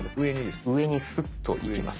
上にスッといきます。